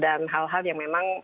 dan hal hal yang memang bergantung